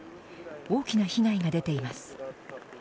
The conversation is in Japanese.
大きな被害が出ています。